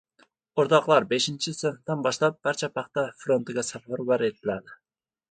— O‘rtoqlar, beshinchi sinfdan boshlab barcha paxta frontiga safarbar etiladi!